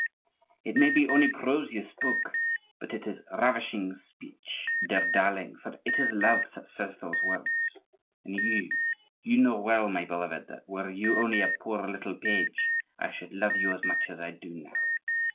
"It may be only prose you speak, but it is ravishing speech, dear darling, for it is love that says those words. And you—you know well, my beloved, that were you only a poor little page, I should love you as much as I do now.